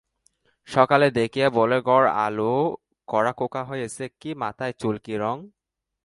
সকলে দেখিয়া বলে, ঘর-আলো-করা খোকা হয়েছে, কি মাথায় চুল, কি রং!